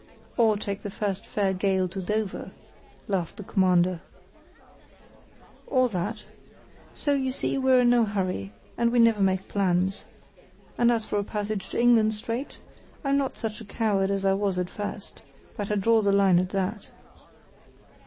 "Or take the first fair gale to Dover," laughed the Commander. "Or that. So, you see, we're in no hurry; and we never make plans. And as for a passage to England straight, I'm not such a coward as I was at first, but I draw the line at that."